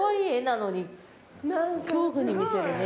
恐怖に見せるね。